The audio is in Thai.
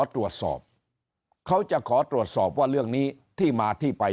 ตรวจสอบเขาจะขอตรวจสอบว่าเรื่องนี้ที่มาที่ไป